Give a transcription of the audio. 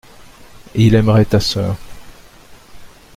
Il aimerait ta sœur.